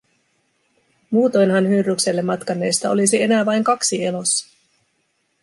Muutoinhan Hydrukselle matkanneista olisi enää vain kaksi elossa.